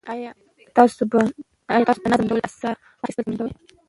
ایا تاسو په منظم ډول ساه اخیستل تمرین کوئ؟